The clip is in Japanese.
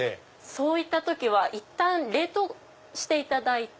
そういった時はいったん冷凍していただいて。